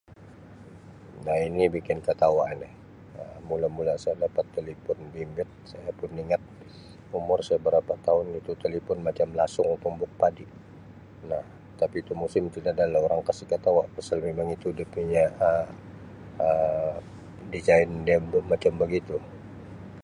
"Nah ini bikin ketawa ini Um mula-mula saya dapat telefon bimbit saya pun nda ingat umur saya berapa taun itu talipun macam lasung tumbuk padi ya tapi itu musim tida da lah orang kasi ketawa pasal memang itu dia punya Um ""design"" dia pun macam begitu. "